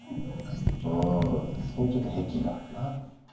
うんそういうちょっと癖があるな。